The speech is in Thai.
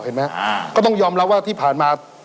เห็นไหมก็ต้องยอมรับว่าที่ผ่านมา